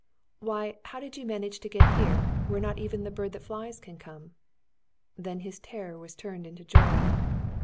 Why, how did you manage to get here, where not even the bird that flies can come?" Then his terror was turned into joy.